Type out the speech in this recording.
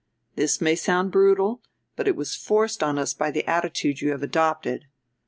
This may sound brutal, but it was forced on us by the attitude you have adopted.